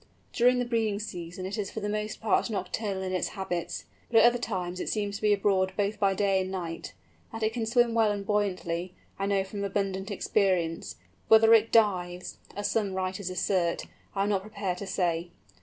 During the breeding season it is for the most part nocturnal in its habits, but at other times it seems to be abroad both by day and night. That it can swim well and buoyantly, I know from abundant experience, but whether it dives, as some writers assert, I am not prepared to say.